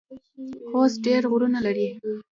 خوست ډیر غرونه لري